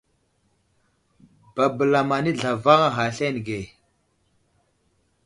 Babəlam anay zlavaŋ a ghay aslane ge.